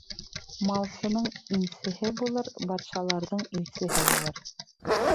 Малсының инсеһе булыр, батшаларҙың илсеһе булыр.